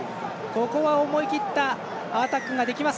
ここは思い切ったアタックができます。